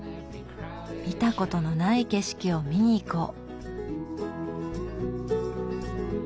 見たことのない景色を見にいこう。